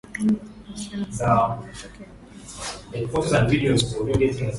Uhusiano huu ambao ni matokeo ya ujenzi wa viwanda vya Watanzania nchini Rwanda